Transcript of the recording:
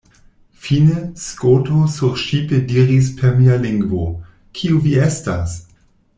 Fine, Skoto surŝipe diris per mia lingvo, Kiu vi estas?